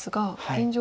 現状